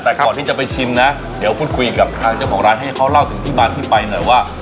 แต่ก่อนที่จะไปชิมนะเดี๋ยวพูดคุยกับทางเจ้าของร้านให้เขาเล่าถึงที่มาที่ไปหน่อยว่า